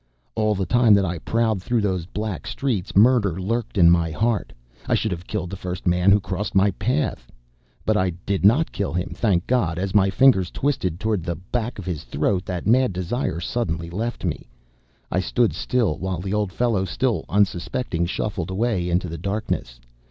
All the time that I prowled through those black streets, murder lurked in my heart. I should have killed the first man who crossed my path. But I did not kill him. Thank God, as my fingers twisted toward the back of his throat, that mad desire suddenly left me. I stood still, while the old fellow, still unsuspecting, shuffled, away into the darkness.